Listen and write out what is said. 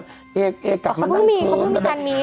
เอดกลับมานั่งเชิงเค้าเพิ่งมีแฟนมีน